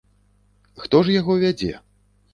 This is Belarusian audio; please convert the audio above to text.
Хто ж яго вядзе?